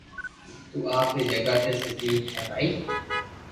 تو آپ ري جگھ تي سڄي ھي بائي